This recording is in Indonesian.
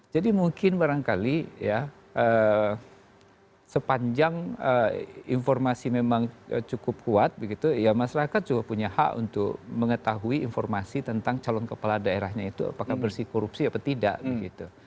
jadi mungkin barangkali ya sepanjang informasi memang cukup kuat begitu ya masyarakat juga punya hak untuk mengetahui informasi tentang calon kepala daerahnya itu apakah bersih korupsi atau tidak begitu